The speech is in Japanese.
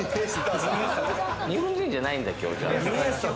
日本人じゃないんだ、きょう。